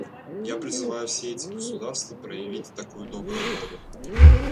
Я призываю все эти государства проявить такую добрую волю.